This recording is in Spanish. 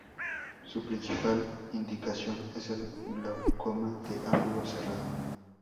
Su principal indicación es el glaucoma de ángulo cerrado.